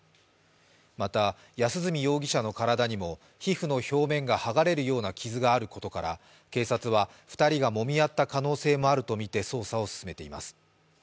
また、安栖容疑者の体にも皮膚の表面が剥がれるような傷があることから警察は２人がもみ合った可能性もあるとみて捜査を進めています。